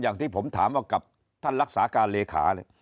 อย่างที่ผมถามเอากับท่านรักษาการเลขาเนี่ย